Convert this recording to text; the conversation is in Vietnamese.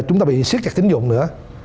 chúng ta bị siết chặt tín dụng nữa